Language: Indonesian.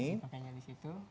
pakainya di situ